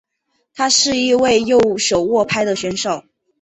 他是一位右手握拍选手。